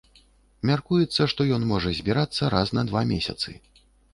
Мяркуецца, што ён можа збірацца раз на два месяцы.